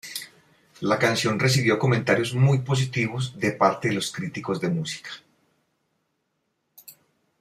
La canción recibió comentarios muy positivos de parte de los críticos de música.